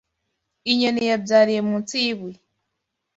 Inyoni yabyariye munsi y’ ibuye